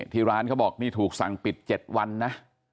ที่ร้านเขาบอกนี่ถูกสั่งปิด๗วันนะ